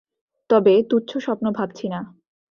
তবে তুচ্ছ স্বপ্ন ভাবছি না।